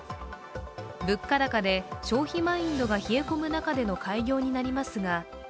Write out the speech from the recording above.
物価高で、消費マインドが冷え込む中での開業になりますが。